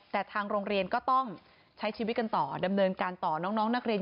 แต่ทางโรงเรียนก็ต้องใช้ชีวิตกันต่อดำเนินการต่อน้องนักเรียน